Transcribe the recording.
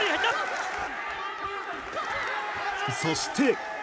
そして。